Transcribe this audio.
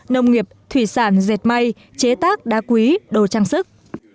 nông nghiệp thủy sản dệt may chế tác đá quý đồ trang sức